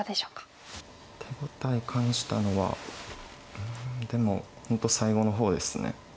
手応え感じたのはでも本当最後の方ですね。